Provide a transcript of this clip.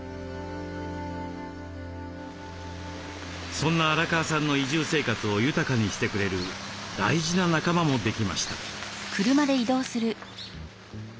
そんな荒川さんの移住生活を豊かにしてくれる大事な仲間もできました。